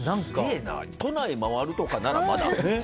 都内回るとかなら、まだね。